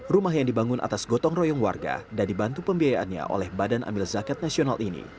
rumah yang dibangun atas gotong royong warga dan dibantu pembiayaannya oleh badan amil zakat nasional ini